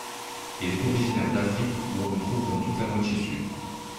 Il est originaire d'Afrique où on le trouve dans toute la moitié sud.